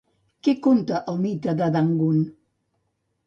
Què conta el mite de Dangun?